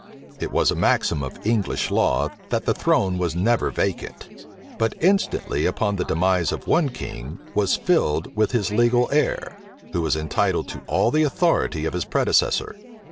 It was a maxim of English law, that the throne was never vacant; but instantly, upon the demise of one king, was filled with his legal heir, who was entitled to all the authority of his predecessor.